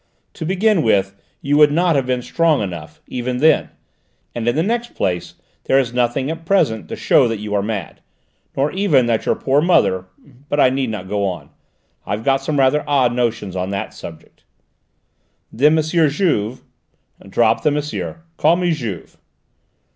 To begin with, you would not have been strong enough, even then; and in the next place there is nothing at present to show that you are mad, nor even that your poor mother But I need not go on: I've got some rather odd notions on that subject." "Then, M. Juve " "Drop the 'monsieur'; call me 'Juve.'"